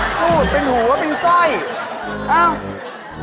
พูดเป็นหัวเป็นสร้อยอ้าว